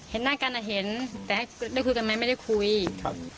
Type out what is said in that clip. หน้ากันอ่ะเห็นแต่ให้ได้คุยกันไหมไม่ได้คุยครับ